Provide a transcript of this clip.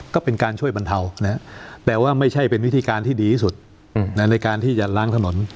ก็เป็นการช่วยบรรเทาแต่ว่าไม่ใช่เป็นวิธีการที่ดีที่สุดในการที่จะล้างถนน